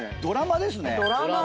ドラマですね。